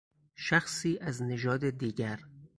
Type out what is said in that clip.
شخصی از نژاد دیگر